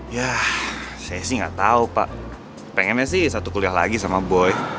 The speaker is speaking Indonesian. ya saya sih nggak tahu pak pengennya sih satu kuliah lagi sama boy